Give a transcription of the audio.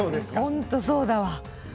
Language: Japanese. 本当、そうだわ。